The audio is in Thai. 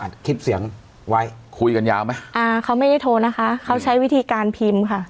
คลิปเสียงไว้คุยกันยาวไหมอ่าเขาไม่ได้โทรนะคะเขาใช้วิธีการพิมพ์ค่ะ